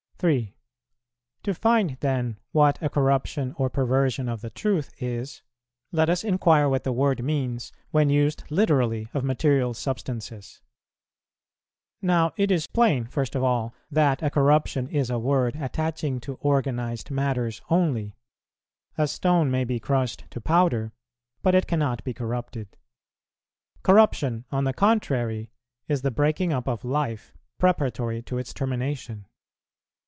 3. To find then what a corruption or perversion of the truth is, let us inquire what the word means, when used literally of material substances. Now it is plain, first of all, that a corruption is a word attaching to organized matters only; a stone may be crushed to powder, but it cannot be corrupted. Corruption, on the contrary, is the breaking up of life, preparatory to its termination.